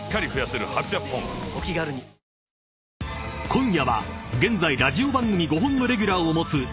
［今夜は現在ラジオ番組５本のレギュラーを持つ］